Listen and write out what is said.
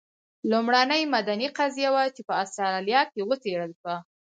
لومړنۍ مدني قضیه وه چې په اسټرالیا کې وڅېړل شوه.